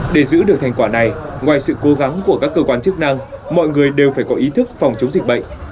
để giữ được thành quả này ngoài sự cố gắng của các cơ quan chức năng mọi người đều phải có ý thức phòng chống dịch bệnh